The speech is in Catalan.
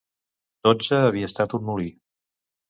XII havia estat un molí.